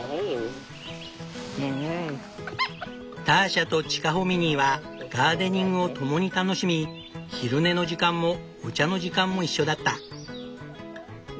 ターシャとチカホミニーはガーデニングを共に楽しみ昼寝の時間もお茶の時間も一緒だった。